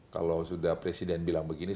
kalau sudah presiden bilang begini